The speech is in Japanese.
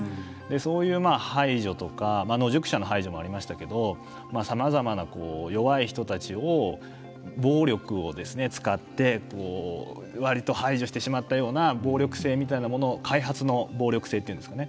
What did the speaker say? そういう排除とか野宿者の排除もありましたけどさまざまな弱い人たちを暴力を使って割と排除してしまったような開発の暴力性っていうんですかね。